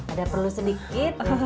ada perlu sedikit